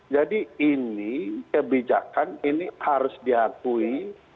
jadi ini kebijakan ini harus diakui